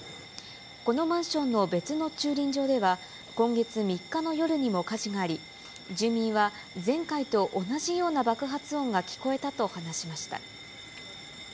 このマンションの別の駐輪場では、今月３日の夜にも火事があり、住民は前回と同じような爆発音が聞こえたと話しました。